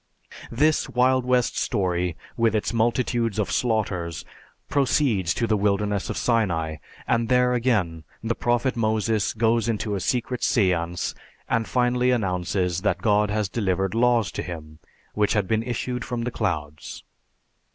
This Wild West story, with its multitudes of slaughters, proceeds to the wilderness of Sinai; and there again, the Prophet Moses goes into a secret seance and finally announces that God had delivered laws to him, which had been issued from the clouds.